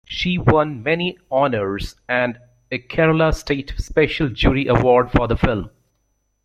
She won many honors and a Kerala State Special Jury Award for the film.